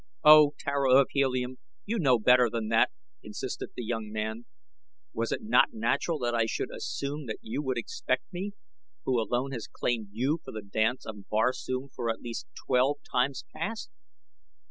"Oh, Tara of Helium, you know better than that," insisted the young man. "Was it not natural that I should assume that you would expect me, who alone has claimed you for the Dance of Barsoom for at least twelve times past?"